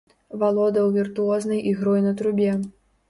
Валодаў віртуознай ігрой на трубе.